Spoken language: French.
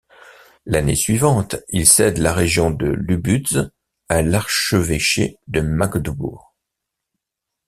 L’année suivante, il cède la région de Lubusz à l’archevêché de Magdebourg.